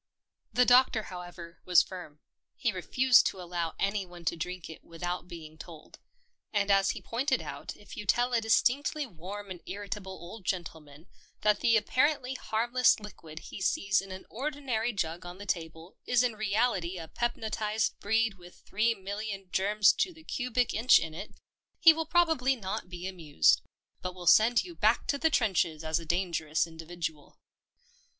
The Doctor, however, was firm. He re fused to allow anyone to drink it without being told, and as he pointed out if you tell a distinctly warm and irritable old gentle man that the apparently harmless liquid he sees in an ordinary jug on the table is in reality a pepnotised breed with three million germs to the cubic inch in it — he will probably not be amused, but will send you back to the trenches as a dangerous individual.